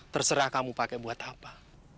terserah kamu pakai buat apa